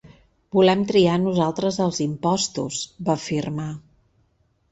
Volem triar nosaltres els impostos, va afirmar.